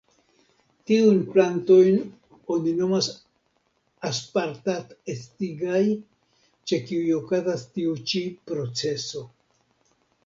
Tiujn plantojn oni nomas aspartat-estigaj, ĉe kiuj okazas tiu ĉi proceso.